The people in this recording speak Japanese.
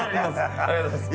ありがとうございます。